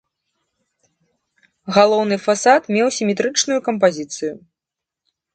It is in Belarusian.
Галоўны фасад мае сіметрычную кампазіцыю.